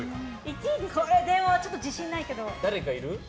これ、ちょっと自信ないけど。